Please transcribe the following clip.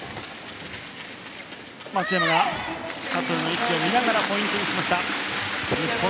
松山がシャトルの位置を見ながらポイントにしました。